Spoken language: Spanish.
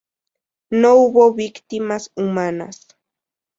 No hubo víctimas humanas.